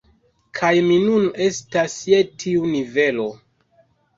Kaj mi nun estas je tiu nivelo